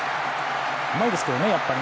うまいですけどね、やっぱり。